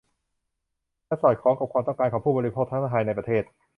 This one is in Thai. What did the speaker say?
และสอดคล้องกับความต้องการของผู้บริโภคทั้งภายในประเทศ